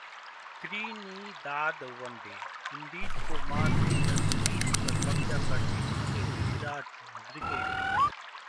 Trinidad one day: Indies को मात देकर सीरीज पर कब्जा करने उतरेगी विराट ब्रिगेड